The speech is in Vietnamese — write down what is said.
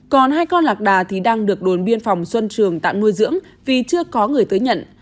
còn hai con lạc đà thì đang được đồn biên phòng xuân trường tạm nuôi dưỡng vì chưa có người tới nhận